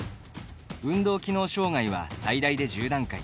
運動機能障がいは最大で１０段階。